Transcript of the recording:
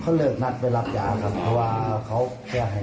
ค่ะแต่ตอนนี้เขาขุดดินเขาที่เอาดินถมเพื่อดิน